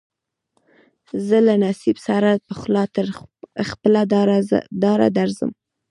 زه له نصیب سره پخلا تر خپله داره درځم